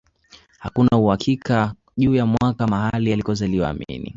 Hakuna uhakika juu ya mwaka mahali alikozaliwa Amin